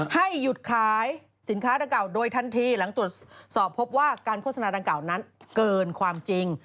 ให้หยุดขายสินค้าดังกล่าวโดยทันทีหลังตรวจสอบพบว่าการโฆษณาดังกล่าวนั้นเกินความจริง